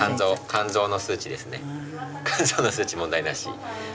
肝臓の数値問題なし。